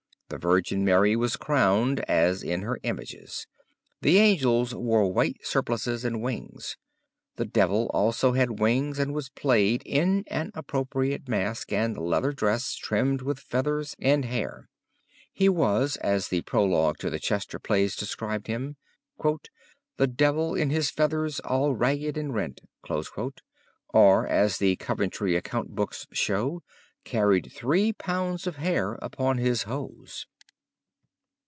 The Virgin Mary was crowned, as in her images. The angels wore white surplices and wings. The devil also had wings, and was played in an appropriate mask and leather dress trimmed with feathers and hair. He was, as the Prologue to the Chester Plays describes him, "the devil in his feathers all ragged and rent," or, as the Coventry account books show, carried three pounds of hair upon his hose.